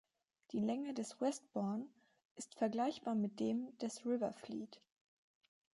Die Länge des Westbourne ist vergleichbar mit dem des River Fleet.